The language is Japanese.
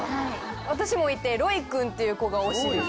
私もいてロイくんっていうコが推しです。